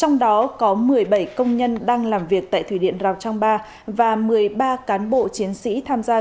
trong đó có một mươi bảy công nhân đang làm việc tại thủy điện rào trang ba và một mươi ba cán bộ chiến sĩ tham gia